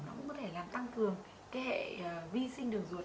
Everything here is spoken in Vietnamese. nó cũng có thể làm tăng cường cái hệ vi sinh đường ruột